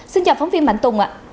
xin chào phóng viên mạnh tùng ạ